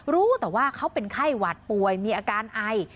รู้แต่ว่าเขาเป็นไข้หวัดป่วยมีอาการไอ